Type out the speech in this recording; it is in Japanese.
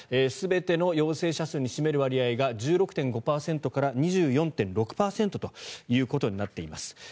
全ての陽性者数に占める割合が１６．５％から２４．６％ということになっています。